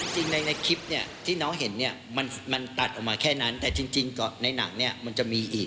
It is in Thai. จริงในคลิปที่น้องเห็นมันตัดออกมาแค่นั้นแต่จริงก็ในหนังมันจะมีอีก